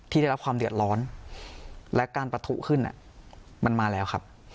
ได้รับความเดือดร้อนและการปะทุขึ้นมันมาแล้วครับ